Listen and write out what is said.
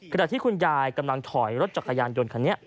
ขณะที่คุณยายกำลังถอยรถจักรยานยนต์คันนี้